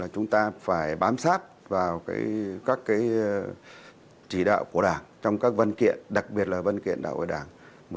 chúng ta phải bám sát vào các trí đạo của đảng trong các văn kiện đặc biệt là văn kiện đạo của đảng một mươi ba